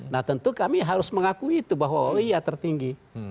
nah tentu kami harus mengakui itu bahwa oh iya tertinggi